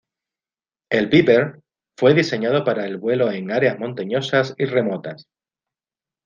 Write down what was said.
El "Beaver" fue diseñado para el vuelo en áreas montañosas y remotas.